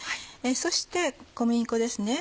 そして小麦粉ですね。